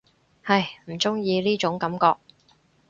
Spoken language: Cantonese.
唉，唔中意呢種感覺